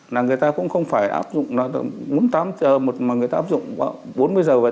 là người ta cũng không phải áp dụng mà người ta áp dụng bốn mươi giờ vậy